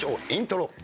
イントロ。